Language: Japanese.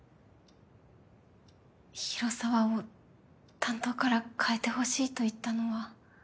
広沢を担当から替えてほしいと言ったのは。